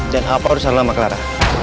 dan apa urusan lama clara